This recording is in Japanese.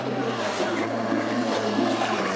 お菊ちゃんが律儀にそれをみんな食べる。